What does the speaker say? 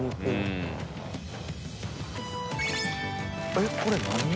えっこれ何？